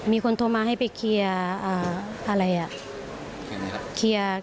มีคนโทรมาให้ไปเคลียร์อะไรอ่ะ